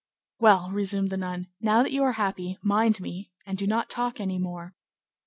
"Well," resumed the nun, "now that you are happy, mind me, and do not talk any more."